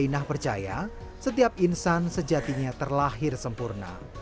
inah percaya setiap insan sejatinya terlahir sempurna